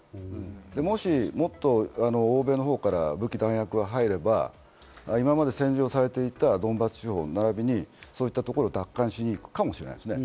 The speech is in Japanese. もしもっと欧米のほうから武器・弾薬が入れば、今まで戦場とされていたドンバス地方、並びにこういったところを奪還していくかもしれないですね。